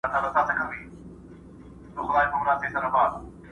نه له زوره د زلمیو مځکه ګډه په اتڼ ده!.